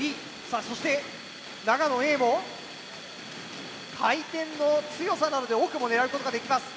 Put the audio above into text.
そして長野Ａも回転の強さなどで奥も狙うことができます。